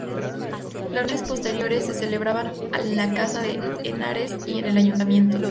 Las reuniones posteriores se celebraban en la casa de Henares y en el Ayuntamiento.